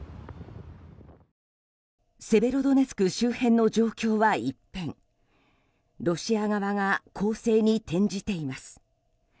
セベロドネツク周辺の状況は一変ロシア側が攻勢に転じています。